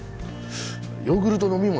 ヨーグルト飲み物。